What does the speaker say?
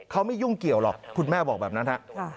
เขาไม่ยุ่งเกี่ยวหรอกคุณแม่บอกแบบนั้นฮะ